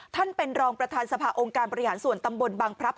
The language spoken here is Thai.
ท่านเป็นรองประธานสภาวงการประหยาศูนย์ตำบลบังพรับ